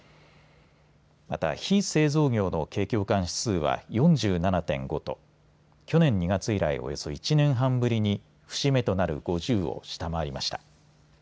また非製造業の景況感指数は４７．５と去年２月以来およそ１年半ぶりに節目となる５０を下回りました。